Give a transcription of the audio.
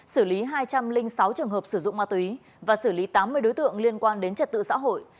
xử lý hai trăm linh sáu trường hợp sử dụng ma túy và xử lý tám mươi đối tượng liên quan đến trật tự xã hội